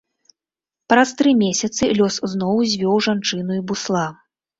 Праз тры месяцы лёс зноў звёў жанчыну і бусла.